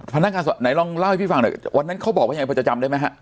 พนักงานไหนลองเล่าให้พี่ฟังหน่อยวันนั้นเขาบอกว่ายังไงพอจะจำได้ไหมฮะ